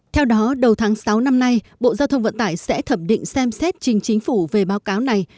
theo đó đầu tháng sáu năm nay bộ giao thông vận tải sẽ thẩm định xem xét trình chính phủ về báo cáo này